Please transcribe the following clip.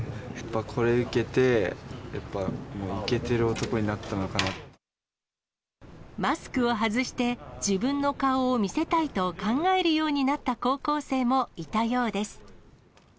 これを受けて、いけてる男にマスクを外して、自分の顔を見せたいと考えるようになった高校生もいたようです。